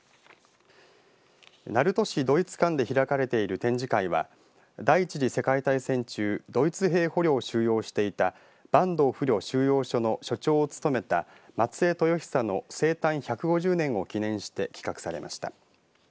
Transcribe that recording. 鳴門市ドイツ館で開かれている展示会は第１次世界大戦中、ドイツ兵捕虜を収容していた板東俘虜収容所の所長を務めた松江豊壽の生誕１５０年を記念して企画されました。